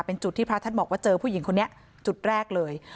เป็นจุดที่พระท่านบอกว่าเจอผู้หญิงคนนี้จุดแรกเลย